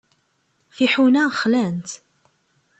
Tiḥuna xlant.